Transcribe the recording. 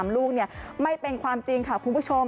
ลูกไม่เป็นความจริงค่ะคุณผู้ชม